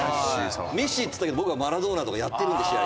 メッシって言ったけど僕はマラドーナとかやってるんで試合。